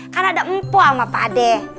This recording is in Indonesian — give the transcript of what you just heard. karena ada mpo sama pade